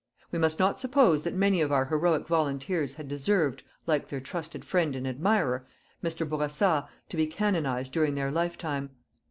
We must not suppose that many of our heroic volunteers had deserved, like their trusted friend and admirer, Mr. Bourassa, to be canonized during their life time.